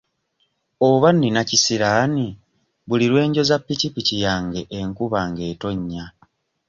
Oba nina kisiraani buli lwe njoza pikipiki yange enkuba ng'etonnya.